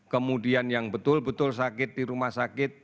kemudian yang betul betul sakit di rumah sakit